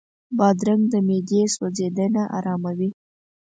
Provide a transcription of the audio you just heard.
بادرنګ د معدې سوځېدنه آراموي.